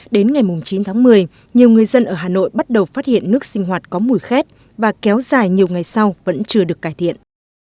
đến ngày chín tháng một mươi nhiều người dân ở hà nội bắt đầu phát hiện nước sinh hoạt có mùi khét và kéo dài nhiều ngày sau vẫn chưa được cải thiện